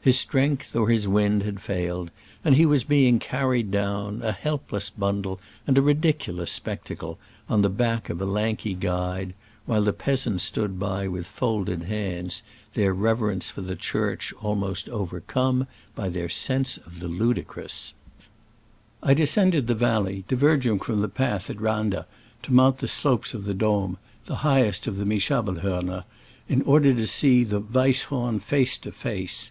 His strength or his wind had failed, and he was being carried down, a helpless bun dle and a ridiculous spectacle, on the back of a lanky guide, while the peas ants stood by with folded hands, their reverence for the Church almost over come by their sense of the ludicrous. Digitized by Google SCRAMBLES .AMONGST THE ALPS IN i86o '69. 13 I descended the valley, diverging from the path at Ran da to mount the slopes of the Dom (the highest of the Mischa belhorner), in order to see the Weiss horn face to face.